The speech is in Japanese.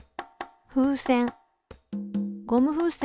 風船。